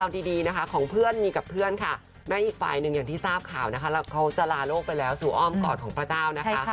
เอาดีนะคะของเพื่อนมีกับเพื่อนค่ะแม้อีกฝ่ายหนึ่งอย่างที่ทราบข่าวนะคะเขาจะลาโลกไปแล้วสู่อ้อมกอดของพระเจ้านะคะ